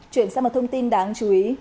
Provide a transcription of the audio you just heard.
chuyển sang một thông tin đáng chú ý